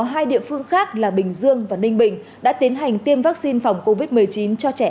hai địa phương khác là bình dương và ninh bình đã tiến hành tiêm vaccine phòng covid một mươi chín cho trẻ